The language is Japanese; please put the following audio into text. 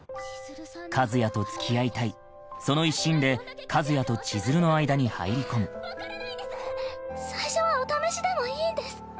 和也とつきあいたいその一心で和也と千鶴の間に入り込む最初はお試しでもいいんです。